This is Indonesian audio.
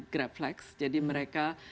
grabflex jadi mereka